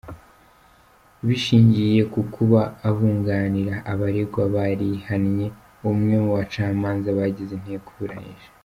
Bishingiye ku kuba abunganira abaregwa barihannye umwe mu bacamanza bagize inteko iburanisha.